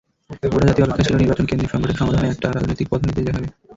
গোটা জাতি অপেক্ষায় ছিল নির্বাচনকেন্দ্রিক সংকটের সমাধানে একটা রাজনৈতিক পথনির্দেশ দেখাবে।